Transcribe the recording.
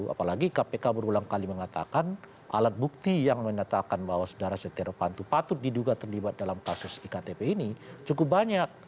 apalagi kpk berulang kali mengatakan alat bukti yang menyatakan bahwa saudara setia novanto patut diduga terlibat dalam kasus iktp ini cukup banyak